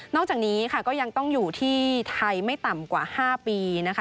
นอกจากนี้ก็ยังต้องอยู่ที่ไทยไม่ต่ำกว่า๕ปี